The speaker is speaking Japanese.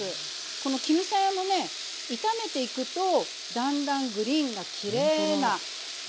この絹さやもね炒めていくとだんだんグリーンがきれいなね